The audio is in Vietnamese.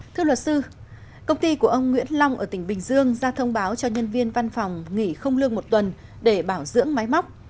thưa luật sư công ty của ông nguyễn long ở tỉnh bình dương ra thông báo cho nhân viên văn phòng nghỉ không lương một tuần để bảo dưỡng máy móc